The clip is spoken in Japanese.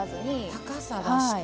高さ出して。